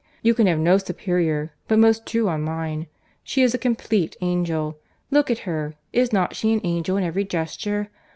You can have no superior, but most true on mine.—She is a complete angel. Look at her. Is not she an angel in every gesture?